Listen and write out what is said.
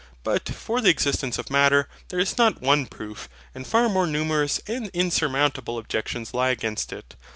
But for the existence of Matter there is not one proof, and far more numerous and insurmountable objections lie against it.